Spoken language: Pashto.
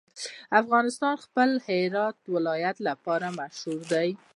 افغانستان د خپل هرات ولایت لپاره مشهور دی.